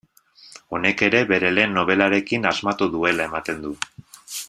Honek ere bere lehen nobelarekin asmatu duela ematen du.